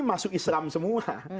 masuk islam semua